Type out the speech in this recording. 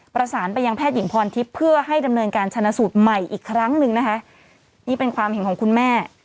ประสานไปยังแพทย์หญิงพรทิพย์เพื่อให้ดำเนินการชนะสูตรใหม่อีกครั้งหนึ่งนะคะนี่เป็นความเห็นของคุณแม่